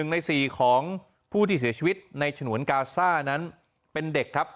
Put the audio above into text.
ใน๔ของผู้ที่เสียชีวิตในฉนวนกาซ่านั้นเป็นเด็กครับ